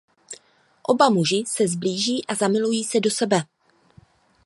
Oba muži se sblíží a zamilují se do sebe.